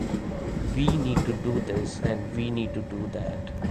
We need to do this and we need to do that.